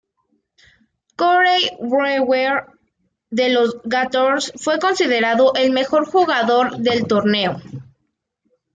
Corey Brewer, de los Gators, fue considerado Mejor Jugador del Torneo.